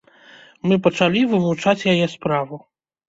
Мы пачалі вывучаць яе справу.